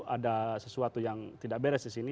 ada sesuatu yang tidak beres disini